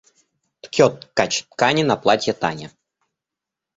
Ткет ткач ткани на платье Тане.